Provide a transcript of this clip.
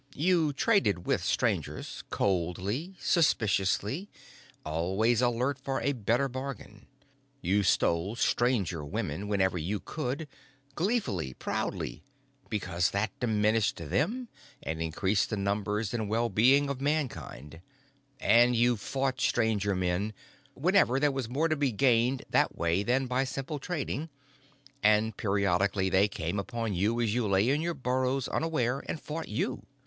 You traded with Strangers, coldly, suspiciously, always alert for a better bargain; you stole Stranger women whenever you could, gleefully, proudly, because that diminished them and increased the numbers and well being of Mankind; and you fought Stranger men whenever there was more to be gained that way than by simple trading and periodically they came upon you as you lay in your burrow unawares and fought you.